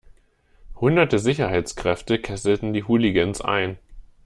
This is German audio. Hunderte Sicherheitskräfte kesselten die Hooligans ein.